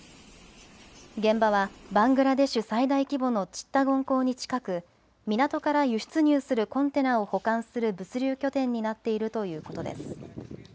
現場はバングラデシュ最大規模のチッタゴン港に近く、港から輸出入するコンテナを保管する物流拠点になっているということです。